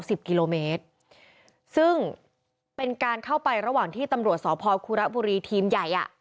สิบกิโลเมตรซึ่งเป็นการเข้าไประหว่างที่ตำรวจสพคุระบุรีทีมใหญ่อ่ะ